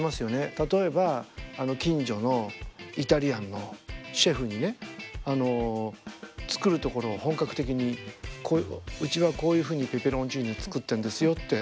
例えば近所のイタリアンのシェフにね作るところを本格的にうちはこういうふうにペペロンチーノを作ってるんですよって